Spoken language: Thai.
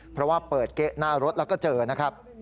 เพราะว่าเปิดเก๊ะหน้ารถแล้วก็เจอนะครับ